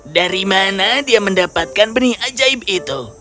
dari mana dia mendapatkan benih ajaib itu